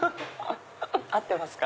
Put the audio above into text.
合ってますか？